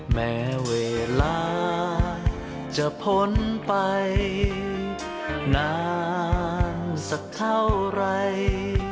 แม้เวลาจะพ้นไปนานสักเท่าไร